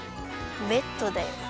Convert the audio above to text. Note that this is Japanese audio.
ベッドだよ。